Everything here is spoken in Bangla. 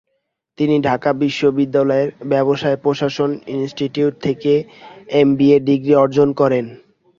তিনি ঢাকা বিশ্ববিদ্যালয়ের ব্যবসায় প্রশাসন ইনস্টিটিউট থেকে এমবিএ ডিগ্রি অর্জন করেন।